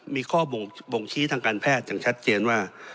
มีข้อบ่งชี้ทางการแพทย์อย่างชัดเจนว่า